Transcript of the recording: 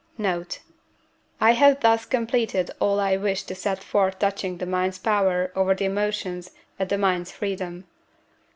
Note. I have thus completed all I wished to set forth touching the mind's power over the emotions and the mind's freedom.